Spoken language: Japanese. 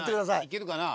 いけるかな？